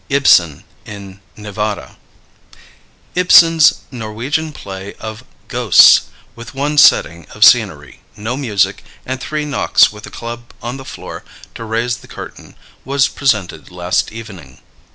_ IBSEN IN NEVADA. Ibsen's Norwegian play of "Ghosts," with one setting of scenery, no music, and three knocks with a club on the floor to raise the curtain, was presented last evening.